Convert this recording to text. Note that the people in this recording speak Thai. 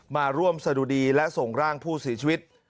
มาร่วมสะดุดีและส่งร่างผู้เสียชีวิต